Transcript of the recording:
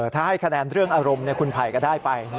ถ้าให้คะแนนเรื่องอารมณ์คุณไผ่ก็ได้ไป